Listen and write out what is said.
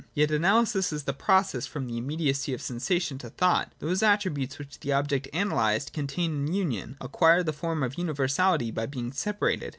Yet analysis is the process from the immediacy of sensation to thought : those attributes, which the object analysed contains in union, acquire the form of universality by being separated.